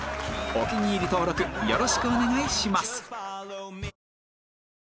お気に入り登録よろしくお願いします